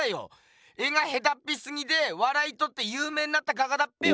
絵がへたっぴすぎてわらいとってゆうめいになった画家だっぺよ！